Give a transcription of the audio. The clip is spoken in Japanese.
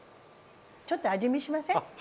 ちょっと味見しません？